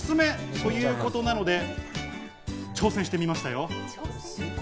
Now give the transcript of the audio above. ということなので挑戦してみましたよ。